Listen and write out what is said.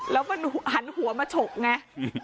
แล้วมันหันหัวมาฉกไง